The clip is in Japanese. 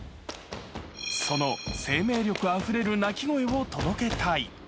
その生命力あふれる鳴き声を届けたい。